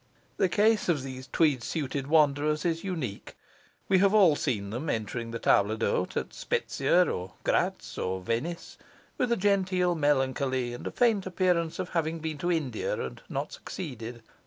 The case of these tweedsuited wanderers is unique. We have all seen them entering the table d'hote (at Spezzia, or Grdtz, or Venice) with a genteel melancholy and a faint appearance of having been to India and not succeeded.